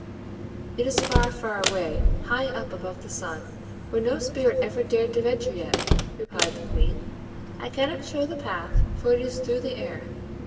"It is far, far away, high up above the sun, where no Spirit ever dared to venture yet," replied the Queen. "I cannot show the path, for it is through the air.